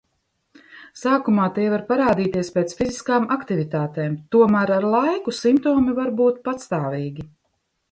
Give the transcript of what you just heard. Sākumā tie var parādīties pēc fiziskām aktivitātēm, tomēr ar laiku simptomi var būt pastāvīgi.